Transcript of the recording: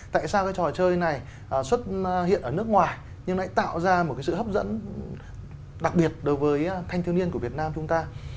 tại sao cái trò chơi này xuất hiện ở nước ngoài nhưng lại tạo ra một cái sự hấp dẫn đặc biệt đối với thanh thiếu niên của việt nam chúng ta